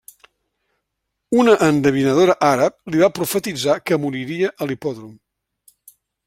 Una endevinadora àrab li va profetitzar que moriria a l'hipòdrom.